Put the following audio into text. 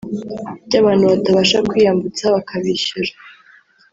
by’abantu batabasha kwiyambutsa bakabishyura